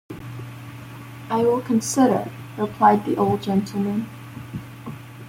‘I will consider,’ replied the old gentleman.